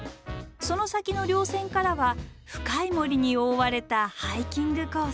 その先の稜線からは深い森に覆われたハイキングコース。